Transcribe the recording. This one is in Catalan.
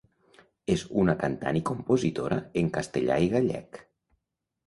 És una cantant i compositora en castellà i gallec.